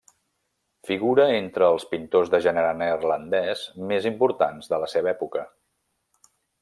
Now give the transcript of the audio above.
Figura entre els pintors de gènere neerlandès més importants de la seva època.